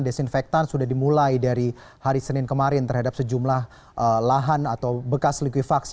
desinfektan sudah dimulai dari hari senin kemarin terhadap sejumlah lahan atau bekas likuifaksi